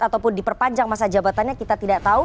ataupun diperpanjang masa jabatannya kita tidak tahu